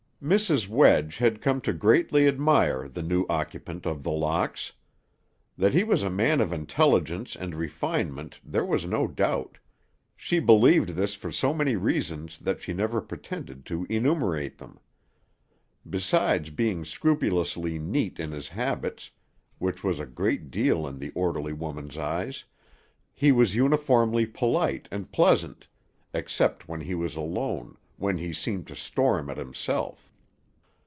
Mrs. Wedge had come to greatly admire the new occupant of The Locks. That he was a man of intelligence and refinement there was no doubt; she believed this for so many reasons that she never pretended to enumerate them. Besides being scrupulously neat in his habits, which was a great deal in the orderly woman's eyes, he was uniformly polite and pleasant, except when he was alone, when he seemed to storm at himself.